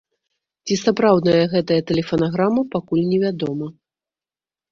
Ці сапраўдная гэтая тэлефанаграмма, пакуль невядома.